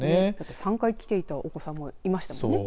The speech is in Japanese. ３回来ていたお子さんもいましたもんね。